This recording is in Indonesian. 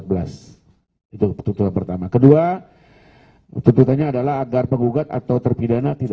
tuntutannya adalah agar penggugat atau terpidana